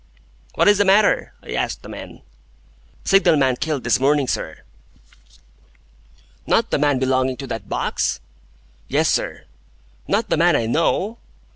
"What is the matter?" I asked the men. "Signal man killed this morning, sir." "Not the man belonging to that box?" "Yes, sir." "Not the man I know?"